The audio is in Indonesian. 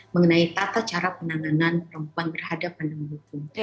mengenai tata cara penanganan perempuan terhadap pandang hukum